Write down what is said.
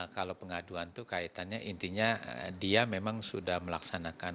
kalau pengaduan itu kaitannya intinya dia memang sudah melaksanakan